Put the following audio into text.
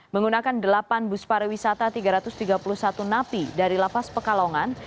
menggunakan delapan bus pariwisata tiga ratus tiga puluh satu napi dari lapas pekalongan